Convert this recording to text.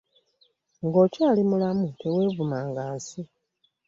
Nga okyali mulamu tewevumanga nsi.